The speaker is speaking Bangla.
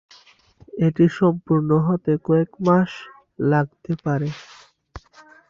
এটি সম্পূর্ণ হতে কয়েক মাস লাগতে পারে।